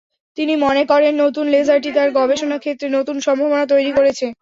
তিনি মনে করেন, নতুন লেজারটি তাঁর গবেষণা ক্ষেত্রে নতুন সম্ভাবনা তৈরি করেছে।